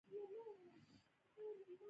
مصرفي اجناس هغه اجناس دي چې موده یې کمه وي.